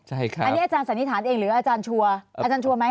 อันนี้อาจารย์สันนิษฐานเองหรืออาจารย์ชัวร์อาจารย์ชัวร์ไหม